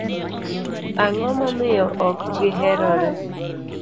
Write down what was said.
Ang'o momiyo ok gi herore?